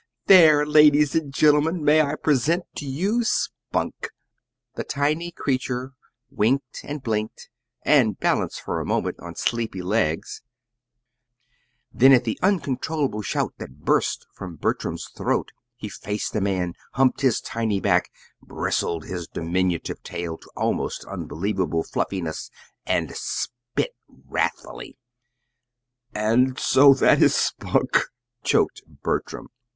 "There, ladies and gentlemen, may I present to you, Spunk." The tiny creature winked and blinked, and balanced for a moment on sleepy legs; then at the uncontrollable shout that burst from Bertram's throat, he faced the man, humped his tiny back, bristled his diminutive tail to almost unbelievable fluffiness, and spit wrathfully. "And so that is Spunk!" choked Bertram.